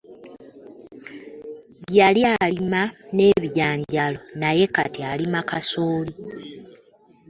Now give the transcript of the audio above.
Yali alima ne ebijanjaalo naye kati alima ssoya.